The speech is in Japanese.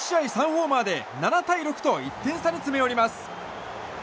３ホーマーで７対６と１点差に詰め寄ります。